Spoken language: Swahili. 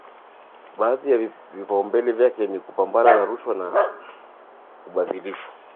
Baadhi ya vipaumbele vyake ni kupambana na rushwa na ubadhilifu